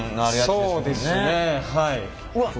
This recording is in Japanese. そうですねはい。